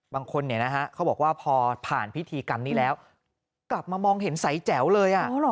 บางคนเขาบอกว่าพอผ่านพิธีกรรมนี้แล้วกลับมามองเห็นใสแจ๋วเลย